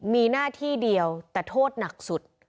มีหน้าที่เดียวแต่โทษหนักสุด